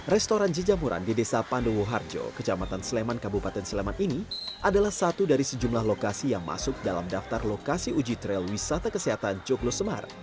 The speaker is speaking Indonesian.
restoran jejamuran di desa pandowo harjo kecamatan sleman kabupaten sleman ini adalah satu dari sejumlah lokasi yang masuk dalam daftar lokasi uji trail wisata kesehatan joglo semar